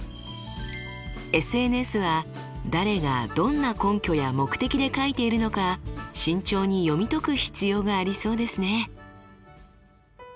ＳＮＳは誰がどんな根拠や目的で書いているのか慎重に読み解く必要がありそうですね。